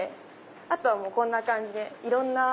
あとはこんな感じでいろんな。